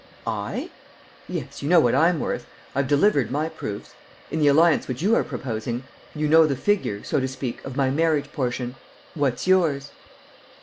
"I?" "Yes, you know what I'm worth; I've delivered my proofs. In the alliance which you are proposing, you know the figure, so to speak of my marriage portion. What's yours?"